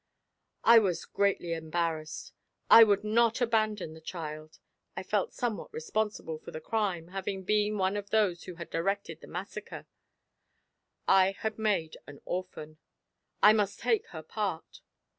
"I was greatly embarrassed. I would not abandon the child.... I felt somewhat responsible for the crime, having been one of those who had directed the massacre. I had made an orphan! I must take her part.